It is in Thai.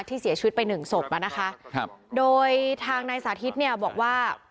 เสียชีวิตไปหนึ่งศพอ่ะนะคะครับโดยทางนายสาธิตเนี่ยบอกว่า